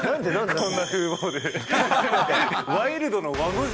こんな風貌で。